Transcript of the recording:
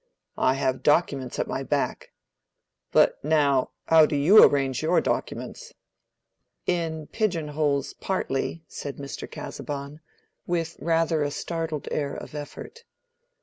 I have documents at my back. But now, how do you arrange your documents?" "In pigeon holes partly," said Mr. Casaubon, with rather a startled air of effort.